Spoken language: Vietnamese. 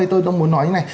tôi muốn nói như này